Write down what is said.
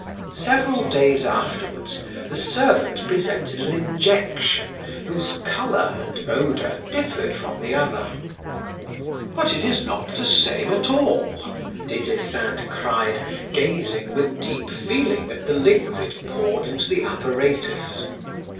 Several days afterwards, the servant presented an injection whose color and odor differed from the other. "But it is not the same at all!" Des Esseintes cried, gazing with deep feeling at the liquid poured into the apparatus.